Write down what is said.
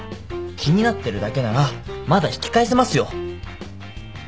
気になってるだけならまだ引き返せますよ。